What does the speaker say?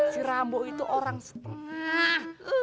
si rambu itu orang setengah